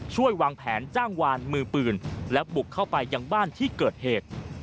วางแผนจ้างวานมือปืนและบุกเข้าไปยังบ้านที่เกิดเหตุ